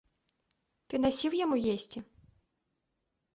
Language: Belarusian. Ты насіў яму есці?